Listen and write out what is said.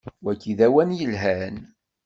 Wagi d awal yelhan.